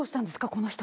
この人。